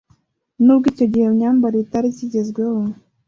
nubwo icyo gihe iyo myambarire itari ikigezweho.’’